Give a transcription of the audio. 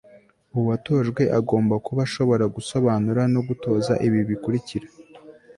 uwatojwe agomba kuba ashobora gusobanura no gutoza ibi bikurikira